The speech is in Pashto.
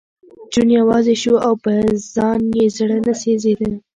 جون یوازې شو او په ځان یې زړه نه سېزېده